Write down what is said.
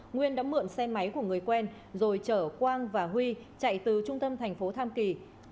nguyên đã mượn xe máy của người quen rồi chở quang và huy chạy từ trung tâm thành phố tam kỳ